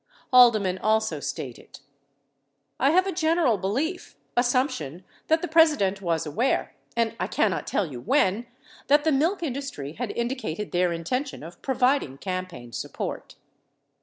46 Haldeman also stated : I have a general belief, assumption, that the President was aware — and I cannot tell you when — that the milk industry had indicated their intention of providing campaign support.